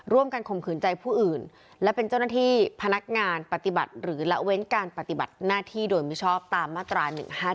ข่มขืนใจผู้อื่นและเป็นเจ้าหน้าที่พนักงานปฏิบัติหรือละเว้นการปฏิบัติหน้าที่โดยมิชอบตามมาตรา๑๕๗